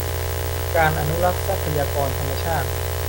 การอนุรักษ์ทรัพยากรธรรมชาติ